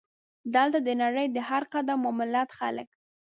دلته د نړۍ د هر قوم او ملت خلک.